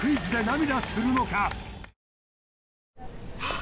あ！